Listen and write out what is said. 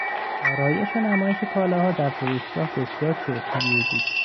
آرایش و نمایش کالاها در فروشگاه بسیار چشمگیر بود.